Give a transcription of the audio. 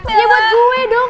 ini buat gue dong